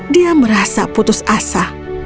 dia merasa putus asa